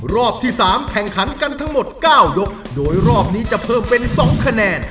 รอบที่๓แข่งขันกันทั้งหมด๙ยกโดยรอบนี้จะเพิ่มเป็น๒คะแนน